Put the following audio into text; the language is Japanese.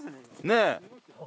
ねえ！